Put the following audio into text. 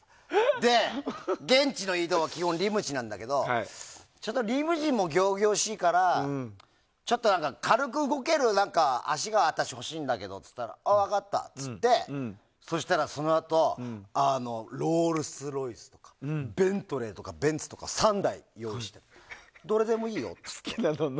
で、現地の移動は基本リムジンなんだけどちょっとリムジンも仰々しいからちょっと軽く動ける足が欲しいんだけどって言ったらああ、分かったと言ってそしたら、そのあとロールスロイスとかベントレーとかベンツとか３台用意してどれでもいいよって。